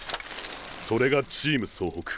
それがチーム総北。